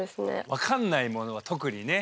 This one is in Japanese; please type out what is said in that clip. わかんないものはとくにね。